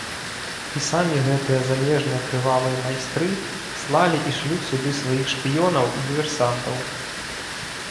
І самі гэтыя замежныя крывавыя майстры слалі і шлюць сюды сваіх шпіёнаў і дыверсантаў.